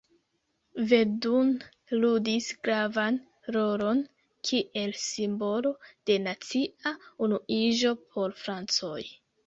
Verdun ludis gravan rolon kiel simbolo de nacia unuiĝo por francoj.